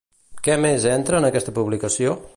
Què més entra en aquesta publicació?